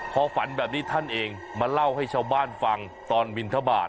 พอฝันแบบนี้ท่านเองมาเล่าให้ชาวบ้านฟังตอนบินทบาท